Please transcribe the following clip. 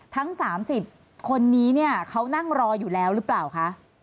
ทั้ง๓๐คนนี้เนี่ยเขานั่งรออยู่แล้วหรือเปล่าคะ